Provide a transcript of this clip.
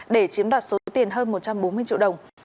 để chiếm đoạt số tiền hơn một trăm bốn mươi triệu đồng